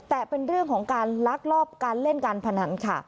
แต่เป็นเรื่องของการลักลอบการเล่นการพนันค่ะ